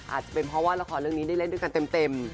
อาจจะเป็นเพราะว่าละครเรื่องนี้ได้เล่นด้วยกันเต็ม